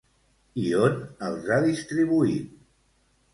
I on els ha distribuït?